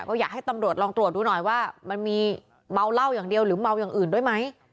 ก็อยากให้ตำรวจลองตรวจดูหน่อยว่ามันมีเมาเหล้าอย่างเดียวหรือเมาอย่างอื่นด้วยไหม